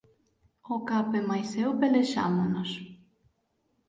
O Cap e máis eu pelexámonos.